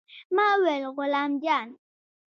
ما وويل غلام جان.